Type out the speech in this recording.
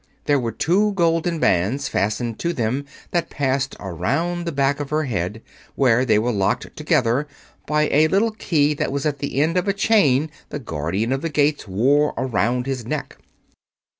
There were two golden bands fastened to them that passed around the back of her head, where they were locked together by a little key that was at the end of a chain the Guardian of the Gates wore around his neck.